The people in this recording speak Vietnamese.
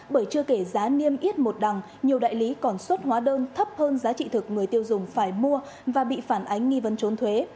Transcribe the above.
bởi chưa kể giá niêm yết một đằng nhiều đại lý còn xuất hóa đơn thấp hơn giá trị thực người tiêu dùng phải mua và bị phản ánh nghi vấn trốn thuế